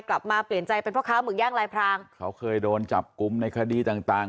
กลับมาเปลี่ยนใจเป็นพ่อค้าหมึกย่างลายพรางเขาเคยโดนจับกลุ่มในคดีต่างต่าง